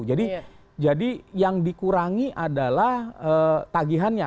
jadi yang dikurangi adalah tagihannya